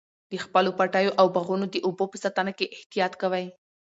د خپلو پټیو او باغونو د اوبو په ساتنه کې احتیاط کوئ.